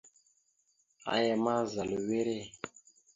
Aya ma, zal a wire.